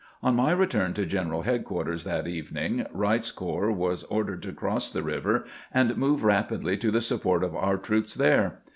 On my return to general headquarters that evening, Wright's corps was ordered to cross the river and move rapidly to the support of our troops there.